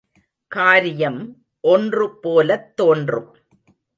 காரியம் ஒன்றுபோலத் தோன்றும்.